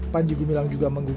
panji gumilang juga mengatakan